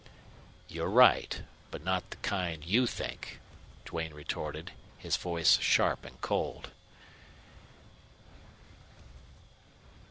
"You're right. But not the kind you think," Duane retorted, his voice sharp and cold.